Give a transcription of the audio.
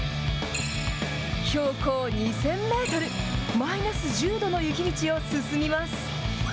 標高２０００メートル、マイナス１０度の雪道を進みます。